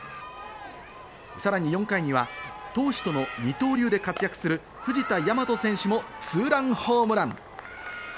さらに４回には投手との二刀流で活躍する藤田倭選手もツーランホームラン。